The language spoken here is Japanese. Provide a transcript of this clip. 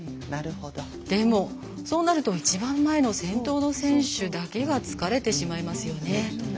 でも、そうなると一番前の先頭の選手だけが疲れてしまいますよね。